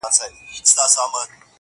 گوره اوښكي به در تـــوى كـــــــــړم؛